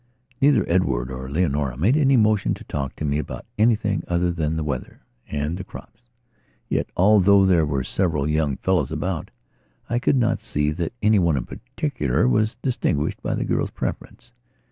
Neither Edward nor Leonora made any motion to talk to me about anything other than the weather and the crops. Yet, although there were several young fellows about, I could not see that any one in particular was distinguished by the girl's preference.